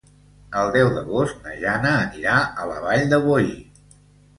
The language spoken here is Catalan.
El deu d'agost na Jana anirà a la Vall de Boí.